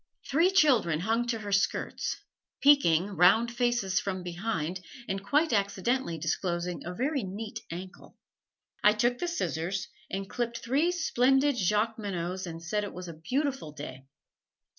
Three children hung to her skirts, peeking, round faces from behind, and quite accidentally disclosing a very neat ankle. I took the scissors and clipped three splendid Jacqueminots and said it was a beautiful day.